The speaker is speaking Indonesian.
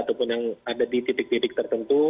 ataupun yang ada di titik titik tertentu